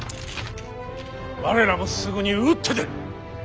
我らもすぐに打って出る。